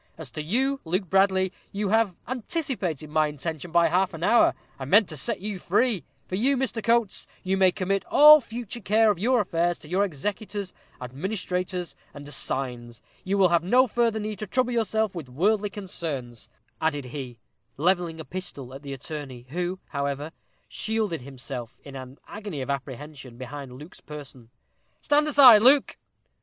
As to you, Luke Bradley, you have anticipated my intention by half an hour; I meant to set you free. For you, Mr. Coates, you may commit all future care of your affairs to your executors, administrators, and assigns. You will have no further need to trouble yourself with worldly concerns," added he, levelling a pistol at the attorney, who, however, shielded himself, in an agony of apprehension, behind Luke's person. "Stand aside, Luke."